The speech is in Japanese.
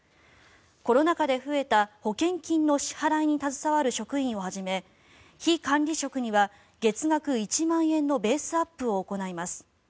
コロナ禍で増えた保険金の支払いに携わる職員をはじめ非管理職には月額１万円のベースアップを行います。